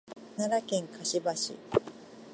奈良県香芝市